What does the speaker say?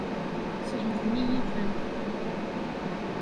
Slemden-iyi-ten.